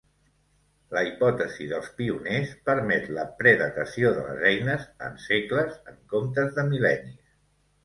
La hipòtesi dels pioners permet la predatació de les eines en segles en comptes de mil·lennis.